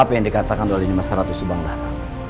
apa yang dikatakan oleh masyarakat subangatnya